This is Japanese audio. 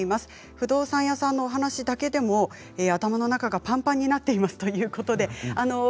不動産業の話だけでも頭の中がぱんぱんになっていますということです。